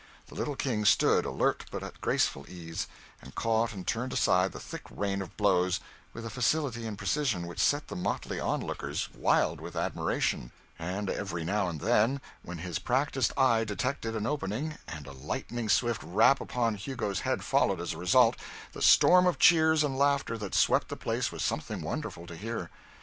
The little King stood, alert but at graceful ease, and caught and turned aside the thick rain of blows with a facility and precision which set the motley on lookers wild with admiration; and every now and then, when his practised eye detected an opening, and a lightning swift rap upon Hugo's head followed as a result, the storm of cheers and laughter that swept the place was something wonderful to hear.